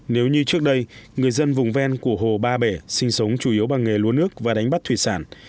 nếu như trước đây người dân vùng ven của hồ ba bể sinh sống chủ yếu bằng nghề lúa nước và đánh bắt thủy sản